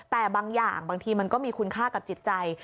แต่บางอย่างบางทีมันก็มีคุณค่ากับจิตใจ